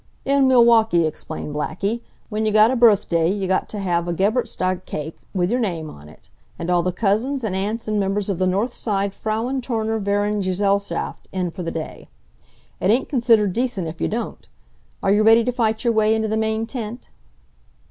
"In Milwaukee," explained Blackie, "w'en you got a birthday you got t' have a geburtstag cake, with your name on it, and all the cousins and aunts and members of the North Side Frauen Turner Verein Gesellchaft, in for the day. It ain't considered decent if you don't. Are you ready to fight your way into the main tent?"